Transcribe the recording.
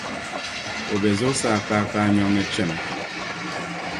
o be zuɣusaa kpakpanyom ni chana.